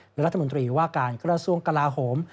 และรัฐมนตรีว่าการกระทรวงกลาโหม